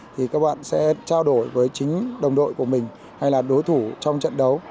thì các bạn sẽ trao đổi với chính đồng đội của mình hay là đối thủ trong trận đấu